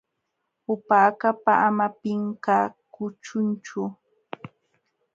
Upa akapa ama pinqakuchunchu.